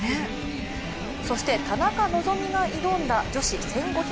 そして田中希実が挑んだ女子１５００ｍ。